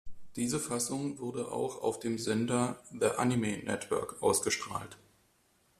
Diese Fassung wurde auch auf dem Sender The Anime Network ausgestrahlt.